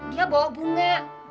dia bawa bunga